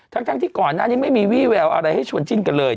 ทั้งที่ก่อนหน้านี้ไม่มีวี่แววอะไรให้ชวนจิ้นกันเลย